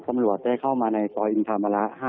ตำรวจได้เข้ามาในตรวจอินทามระ๕๑